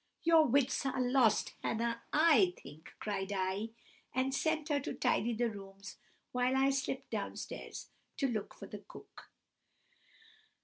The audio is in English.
"'Your wits are lost, Hannah, I think,' cried I, and sent her to tidy the rooms while I slipt downstairs to look for the cook.